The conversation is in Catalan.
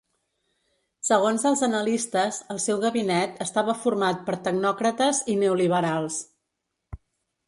Segons els analistes, el seu gabinet estava format per tecnòcrates i neoliberals.